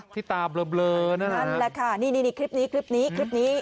ที่ตาเบลอนะฮะนั่นแหละค่ะนี่นี่คลิปนี้คลิปนี้คลิปนี้